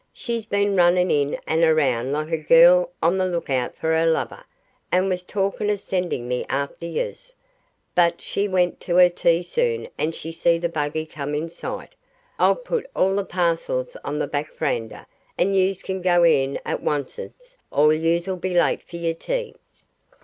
She's been runnin' in an' out like a gurrl on the look out fer her lover, and was torkin' of sendin' me after yuz, but she went to her tea soon as she see the buggy come in sight. I'll put all the parcels on the back veranda, and yuz can go in at woncest or yuz'll be late fer yer tea."